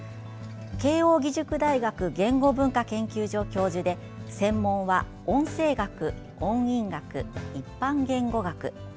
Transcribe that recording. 慶応義塾大学言語文化研究所教授で専門は音声学、音韻学、一般言語学。